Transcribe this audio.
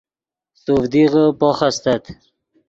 سوڤدیغے پوخ استت